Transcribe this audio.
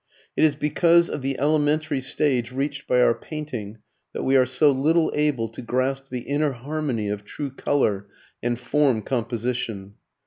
It is because of the elementary stage reached by our painting that we are so little able to grasp the inner harmony of true colour and form composition.